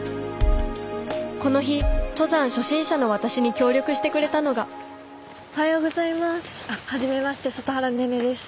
この日登山初心者の私に協力してくれたのがおはようございます。